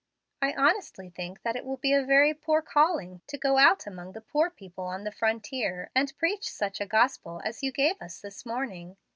I honestly think that it will be a very poor calling to go out among the poor people on the frontier and preach such a gospel as you gave us this morning.